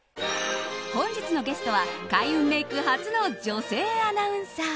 本日のゲストは開運メイク初の女性アナウンサー。